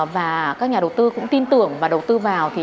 và các nhà đầu tư cũng tin tưởng và đầu tư vào